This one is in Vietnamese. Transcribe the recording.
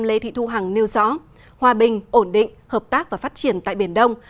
lê thị thu hằng nêu rõ hòa bình ổn định hợp tác và phát triển tại biển đông